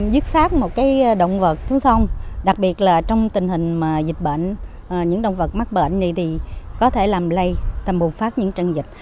vứt sát một động vật xuống sông đặc biệt là trong tình hình dịch bệnh những động vật mắc bệnh này thì có thể làm lây tầm bù phát những trận dịch